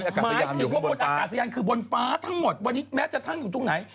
อากาศยามอยู่บนฟ้าคือบนฟ้าทั้งหมดวันนี้แม้จะทั้งอยู่ตรงไหน